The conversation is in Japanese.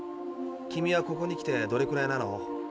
君はここに来てどれくらいなの？